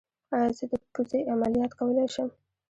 ایا زه د پوزې عملیات کولی شم؟